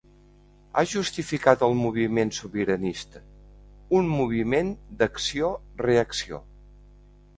Ha justificat el moviment sobiranista: un moviment d’acció-reacció.